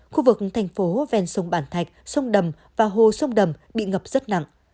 khu vực thành phố ven sông bản thạch sông đầm và hồ sông đầm bị ngập rất nặng